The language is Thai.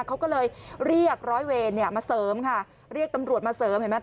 เขาก็เลยเรียกร้อยเวรเนี่ยมาเสริมค่ะเรียกตำรวจมาเสริมเห็นไหม